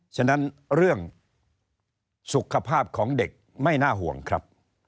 ฉะนั้นเรื่องสุขภาพของเด็กไม่น่าห่วงครับ